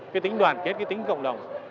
cái tính đoàn kết cái tính cộng đồng